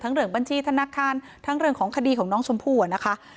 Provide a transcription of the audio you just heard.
เรื่องบัญชีธนาคารทั้งเรื่องของคดีของน้องชมพู่นะคะ